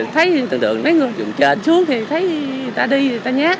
thấy thường thường mấy người dùng trên xuống thì thấy người ta đi thì người ta nhát